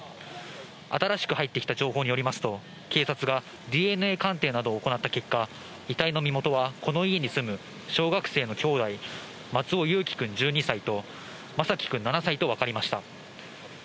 新しく入ってきた情報によりますと、警察がＤＮＡ鑑定などを行った結果、遺体の身元は、この家に住む小学生の兄弟、松尾侑城君１２歳とまさき君７歳と分かりました。